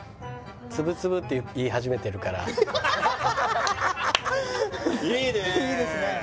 つぶつぶって言い始めてるからいいねえいいですね